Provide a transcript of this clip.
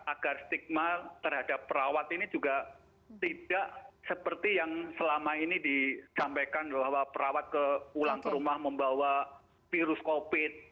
agar stigma terhadap perawat ini juga tidak seperti yang selama ini disampaikan bahwa perawat pulang ke rumah membawa virus covid